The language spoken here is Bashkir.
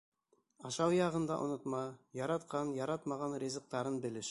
Ашау яғын да онотма, яратҡан, яратмаған ризыҡтарын белеш.